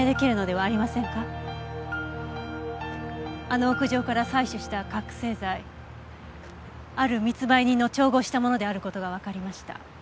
あの屋上から採取した覚醒剤ある密売人の調合したものである事がわかりました。